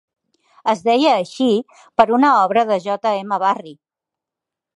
Es deia així per una obra de J.M. Barrie.